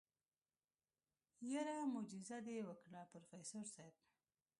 يره موجيزه دې وکړه پروفيسر صيب.